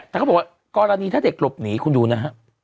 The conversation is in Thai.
แต่เขาบอกว่ากรณีถ้าเด็กหลบหนีคุณดูนะฮะ